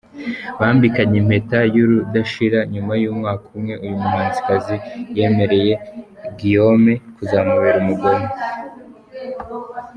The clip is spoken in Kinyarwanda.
Bambikanye impeta y’urudashira nyuma y’umwaka umwe uyu muhanzikazi yemereye Guillaume kuzamubera umugore.